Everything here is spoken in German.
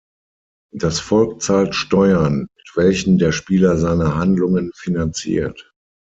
Das Volk zahlt Steuern, mit welchen der Spieler seine Handlungen finanziert.